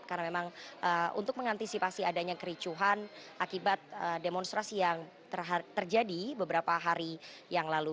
karena memang untuk mengantisipasi adanya kericuhan akibat demonstrasi yang terjadi beberapa hari yang lalu